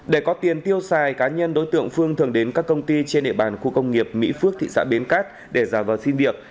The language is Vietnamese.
để có tiền tiêu xài cá nhân đối tượng phương thường đến các công ty trên địa bàn khu công nghiệp mỹ phước thị xã bến cát